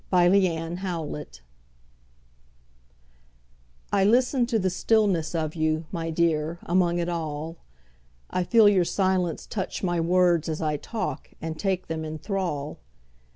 Listening I LISTEN to the stillness of you, My dear, among it all;I feel your silence touch my words as I talk, And take them in thrall.